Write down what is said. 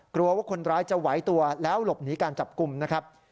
กลัวว่าคนร้ายจะไหวตัวแล้วหลบหนีการจับกลุ่มนะครับ